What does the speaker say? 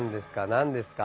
何ですか？